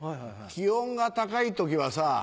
気温が高い時はさ